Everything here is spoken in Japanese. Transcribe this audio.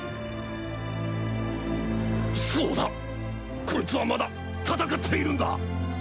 そうだコイツはまだ戦っているんだ！